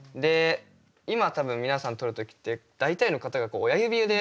今多分皆さん撮る時って大体の方がこう親指で。